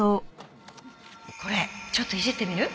これちょっといじってみる？